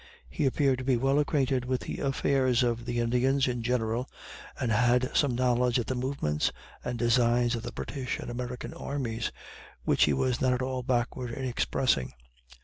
He appeared to be well acquainted with the affairs of the Indians, in general, and had some knowledge of the movements and designs of the British and American armies which he was not at all backward in expressing.